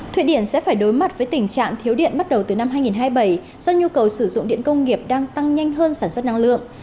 thụy điển sẽ phải đối mặt với tình trạng thiếu điện bắt đầu từ năm hai nghìn hai mươi bảy do nhu cầu sử dụng điện công nghiệp đang tăng nhanh hơn sản xuất năng lượng